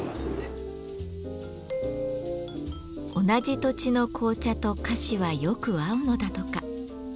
同じ土地の紅茶と菓子はよく合うのだとか。